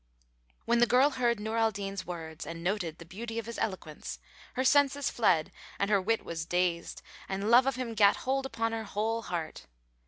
'" When the girl heard Nur al Din's words and noted the beauty of his eloquence her senses fled and her wit was dazed and love of him gat hold upon her whole heart.